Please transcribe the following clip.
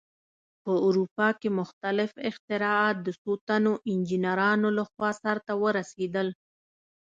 په اروپا کې مختلف اختراعات د څو تنو انجینرانو لخوا سرته ورسېدل.